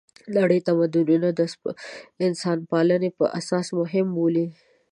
نړۍ تمدونونه د انسانپالنې په اساس مهم بولي.